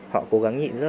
họ cố gắng nhịn rất nhiều